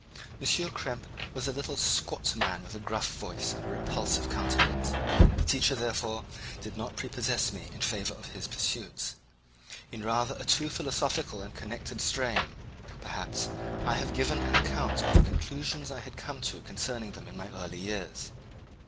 M. Krempe was a little squat man with a gruff voice and a repulsive countenance; the teacher, therefore, did not prepossess me in favour of his pursuits. In rather a too philosophical and connected a strain, perhaps, I have given an account of the conclusions I had come to concerning them in my early years.